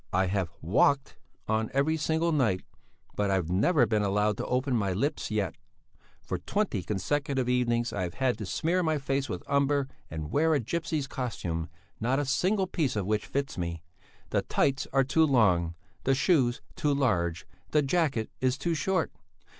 "I have walked on every single night, but I've never been allowed to open my lips yet. For twenty consecutive evenings I have had to smear my face with umber and wear a gipsy's costume, not a single piece of which fits me; the tights are too long, the shoes too large, the jacket is too short.